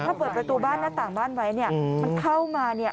ถ้าเปิดประตูบ้านหน้าต่างบ้านไว้เนี่ยมันเข้ามาเนี่ย